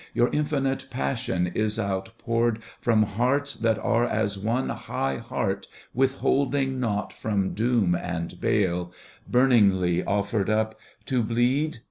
Your infinite passion is outpoured From hearts that are as one high heart Withholding naught from doom and bale Bumingly offered up, — to bleed.